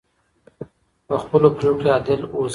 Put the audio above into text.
په خپلو پریکړو کې عادل اوسئ.